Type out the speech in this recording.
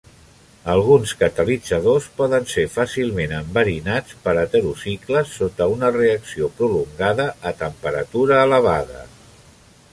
Alguns catalitzadors poden ser fàcilment enverinats per heterocicles sota una reacció prolongada a temperatura elevada.